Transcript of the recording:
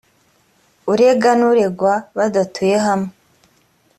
urega n’uregwa badatuye hamwe